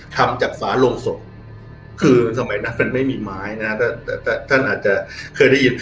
ทำจากฝาโลงศพคือสมัยนั้นมันไม่มีไม้นะแต่ท่านอาจจะเคยได้ยิน